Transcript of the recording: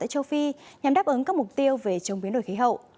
châu phi nhằm đáp ứng các mục tiêu về chống biến đổi khí hậu